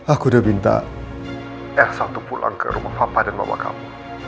aku udah minta elsa untuk pulang ke rumah papa dan mama kamu